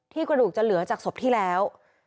กระดูกจะเหลือจากศพที่แล้ว